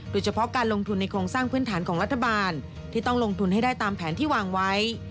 โดยเฉพาะการลงทุนในโครงสร้างพื้นฐานของรัฐบาลที่ต้องลงทุนให้ได้ตามแผนที่วางไว้